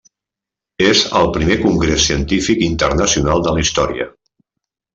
És el primer congrés científic internacional de la història.